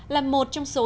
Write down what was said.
là một trong số